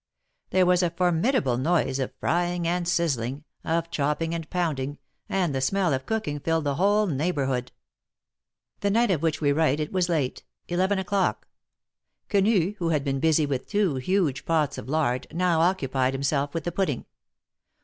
There was a formidable noise of frying and sizzling — of chopping and pounding, and the smell of cooking filled the whole neighborhood. The night of which we write it was late — eleven o'clock. Quenu, who had been busy with two huge pots of lard, now occupied himself with the pudding.